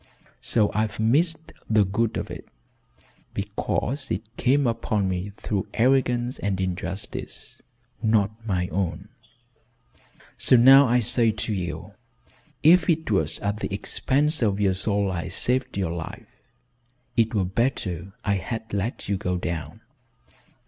So I've missed the good of it because it came upon me through arrogance and injustice not my own. So now I say to you if it was at the expense of your soul I saved your life, it were better I had let you go down.